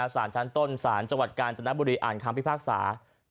สารชั้นต้นสารจังหวัดการณ์จนุดนัดบุรีอ่านคำพิพากศา